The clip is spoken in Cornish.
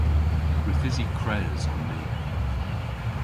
Gwithysi kres on ni.